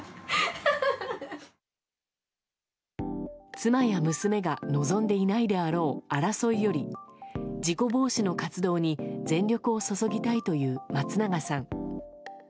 妻や娘が望んでいないであろう争いより事故防止の活動に全力を注ぎたいという松永さん。